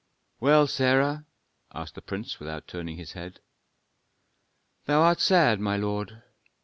"Well, Sarah?" asked the prince, without turning his head. "Thou art sad, my lord.